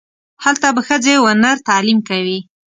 هلته به ښځې و نر تعلیم کوي.